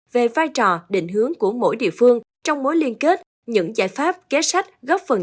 về vai trò định hướng của mỗi địa phương trong mối liên kết những giải pháp kế sách góp phần